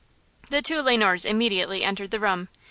The two Le Noirs immediately entered the room.